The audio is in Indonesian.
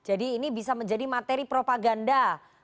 jadi ini bisa menjadi materi propaganda